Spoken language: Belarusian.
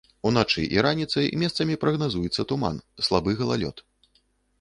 Уначы і раніцай месцамі прагназуецца туман, слабы галалёд.